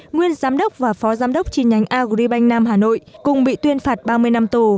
nguyên giám đốc và phó giám đốc chi nhánh agribank nam hà nội cùng bị tuyên phạt ba mươi năm tù